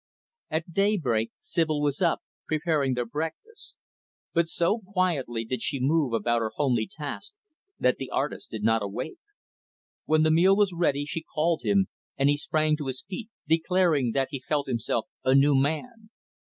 At daybreak, Sibyl was up, preparing their breakfast But so quietly did she move about her homely task that the artist did not awake. When the meal was ready, she called him, and he sprang to his feet, declaring that he felt himself a new man.